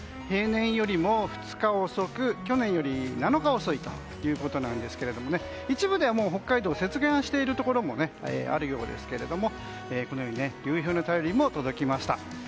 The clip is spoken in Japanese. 平年よりも２日遅く去年より７日遅いということですけれども一部では北海道、接岸しているところもあるようですがこのように流氷の便りも届きました。